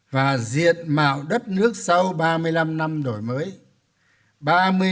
và diện mạo đất nước sau ba mươi năm năm đổi mới